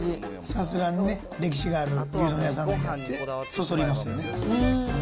さすがにね、歴史がある牛丼屋さんで、そそりますよね。